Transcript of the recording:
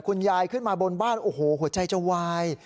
คุณยายขึ้นมาบนบ้านโอ้โหหัวใจจะวาย